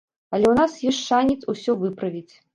Але ў нас ёсць шанец усё выправіць.